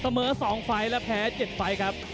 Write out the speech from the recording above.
เสมอ๒ไฟค์และแพ้๗ไฟค์